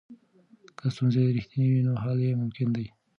که ستونزې رښتینې وي نو حل یې ممکن دی.